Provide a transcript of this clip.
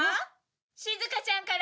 しずかちゃんから電話よ。